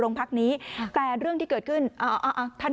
สองสามีภรรยาคู่นี้มีอาชีพ